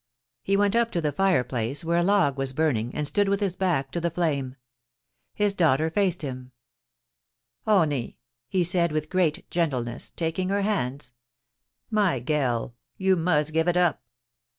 He went up to the fireplace, where a log was burning, and stood with his back to the flame. His daughter faced him, * Honie,' he said with great gentleness, taking her hands, * my gell, you must gev it up